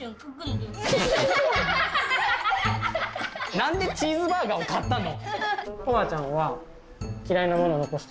なんでチーズバーガーを買ったの？